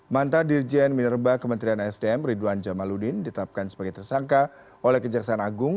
manta dirjen minerba kementerian sdm ridwan jamaludin ditetapkan sebagai tersangka oleh kejaksaan agung